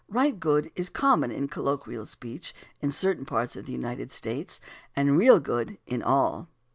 "Right good" is common in colloquial speech in certain parts of the United States, and "real good" in all.